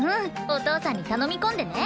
お父さんに頼み込んでね。